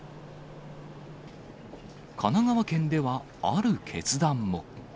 神奈川県では、ある決断も。